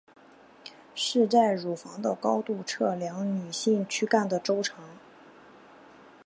是在乳房的高度测量女性躯干的周长。